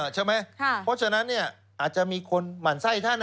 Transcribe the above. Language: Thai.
ใช่ไหมเพราะฉะนั้นอาจจะมีคนหมั่นไส้ท่าน